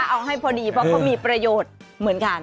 เอาให้พอดีเพราะเขามีประโยชน์เหมือนกัน